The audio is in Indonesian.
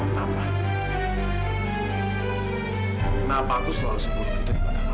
kenapa aku selalu sebut